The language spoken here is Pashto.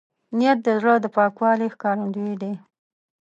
نیت د زړه د پاکوالي ښکارندوی دی.